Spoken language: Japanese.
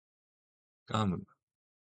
ガム